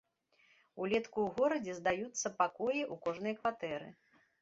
Улетку ў горадзе здаюцца пакоі ў кожнай кватэры.